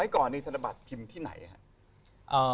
ก่อนในธรรมบาทพิมพ์ที่ไหนฮะ